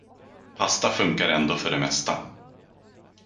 Pasta funkar ändå för det mesta.